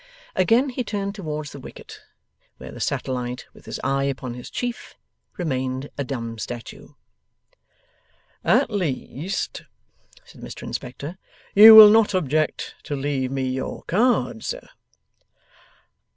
Again he turned towards the wicket, where the satellite, with his eye upon his chief, remained a dumb statue. 'At least,' said Mr Inspector, 'you will not object to leave me your card, sir?